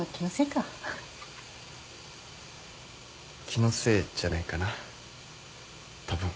気のせいじゃないかなたぶん。